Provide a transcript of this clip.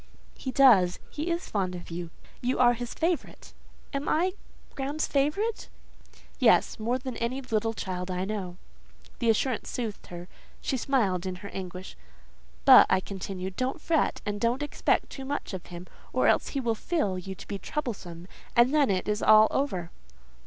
"He does. He is fond of you. You are his favourite." "Am I Graham's favourite?" "Yes, more than any little child I know." The assurance soothed her; she smiled in her anguish. "But," I continued, "don't fret, and don't expect too much of him, or else he will feel you to be troublesome, and then it is all over."